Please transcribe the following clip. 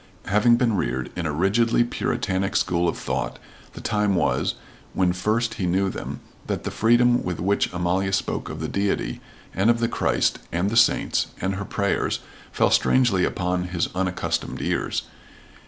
Having been reared in a rigidly puritanic school of thought, the time was, when first he knew them, that the freedom with which Amalia spoke of the Deity, and of the Christ, and the saints, and her prayers, fell strangely upon his unaccustomed ears.